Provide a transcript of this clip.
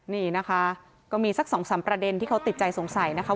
นี่นะคะก็มีสักสองสามประเด็นที่เขาติดใจสงสัยนะคะ